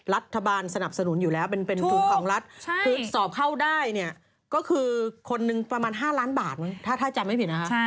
สนับสนุนอยู่แล้วเป็นทุนของรัฐคือสอบเข้าได้เนี่ยก็คือคนหนึ่งประมาณ๕ล้านบาทมั้งถ้าจำไม่ผิดนะคะ